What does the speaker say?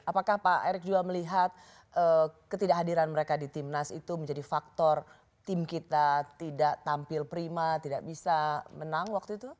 apakah pak erick juga melihat ketidakhadiran mereka di timnas itu menjadi faktor tim kita tidak tampil prima tidak bisa menang waktu itu